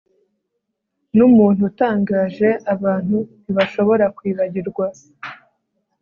Numuntu utangaje abantu ntibashobora kwibagirwa